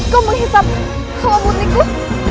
kau menghisap semua mutlikku